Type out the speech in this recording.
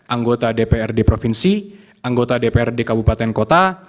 anggota dpr di provinsi anggota dpr di kabupaten kota